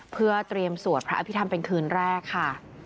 เพื่อเตรียมสวดพระอภิษฐรรมเป็นคืนแรกค่ะ